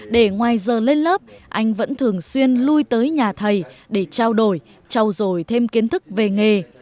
để ngoài giờ lên lớp anh vẫn thường xuyên lui tới nhà thầy để trao đổi trao dồi thêm kiến thức về nghề